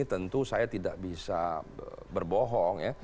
tentu saya tidak bisa berbohong ya